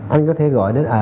anh có thể gọi đến